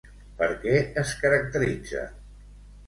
Per què es caracteritza?